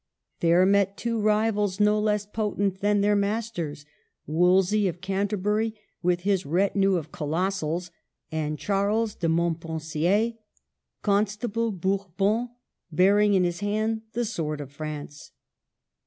There met two rivals no less potent than their masters, — Wolsey of Canter bury, with his retinue of colossals, and Charles de Montpensier, Constable Bourbon, bearing in his hand the sword of France.